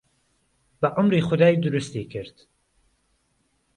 بەعومری خودای دروستی کرد